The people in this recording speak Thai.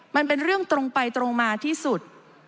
มันเป็นเรื่องตรงไปตรงมาที่สุด